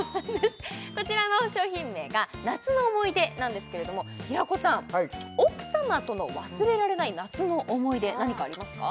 こちらの商品名が「夏の思ひ出」なんですけれども平子さん奥様との忘れられない夏の思い出何かありますか？